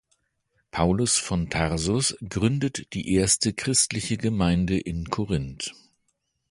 Paulus von Tarsus gründet die erste christliche Gemeinde in Korinth.